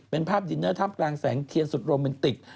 เป็นภาพดินเนอร์ท่ามกลางแสงเทียนสุดโรแมนติก